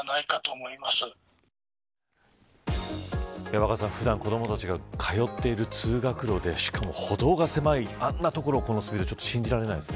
若狭さん、普段子どもたちが通っている通学路でしかも歩道が狭いあんな所をこのスピードでというのは信じられないです。